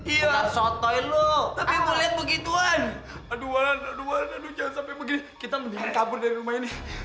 iya sotoi lu tapi boleh begitu an aduan aduan adu jangan sampai begitu kita kabur dari rumah ini